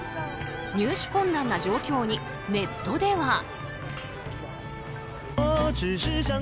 入手困難な状況にネットでは。